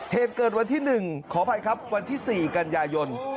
เหตุเกิดวันที่๑ขออภัยครับวันที่๔กันยายน